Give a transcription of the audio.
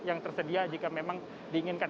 yang tersedia jika memang diinginkan